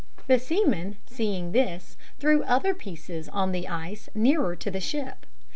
The seamen, seeing this, threw other pieces on the ice nearer to the ship.